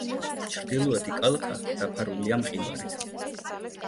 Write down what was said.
ჩრდილოეთი კალთა დაფარულია მყინვარით.